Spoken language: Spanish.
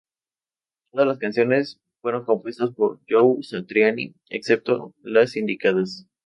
Todas las canciones fueron compuestas por Joe Satriani, excepto las indicadas